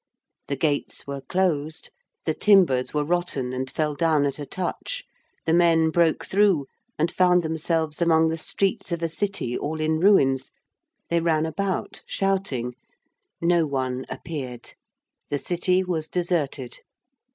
The gates were closed, the timbers were rotten and fell down at a touch: the men broke through and found themselves among the streets of a city all in ruins. They ran about shouting no one appeared: the City was deserted.